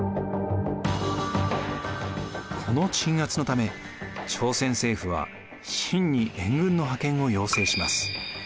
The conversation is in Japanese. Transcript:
この鎮圧のため朝鮮政府は清に援軍の派遣を要請します。